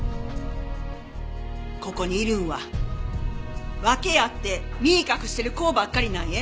ここにいるんは訳あって身隠してる子ばっかりなんえ。